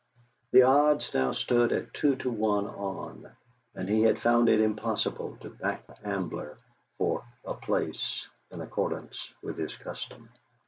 The odds now stood at two to one on, and he had found it impossible to back the Ambler for "a place," in accordance with his custom.